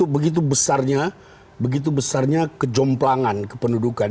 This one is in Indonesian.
begitu besarnya begitu besarnya kejomplangan kependudukan